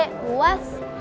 memangnya rumah kamu kecil